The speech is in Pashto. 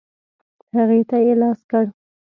هغې ته یې لاس کړ.